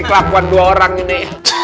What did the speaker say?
kelakuan dua orang ini